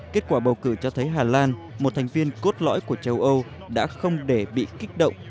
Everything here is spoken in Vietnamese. kết quả bầu cử cho thấy hà lan một thành viên cốt lõi của châu âu đã không để bị kích động